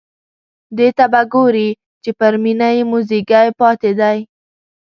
دې ته به ګوري چې پر مېنه یې موزیګی پاتې دی.